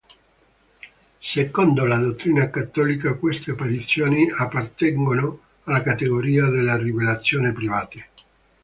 Secondo la dottrina cattolica queste apparizioni appartengono alla categoria delle rivelazioni private.